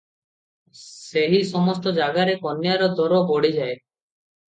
ସେହି ସମସ୍ତ ଜାଗାରେ କନ୍ୟାର ଦର ବଢ଼ିଯାଏ ।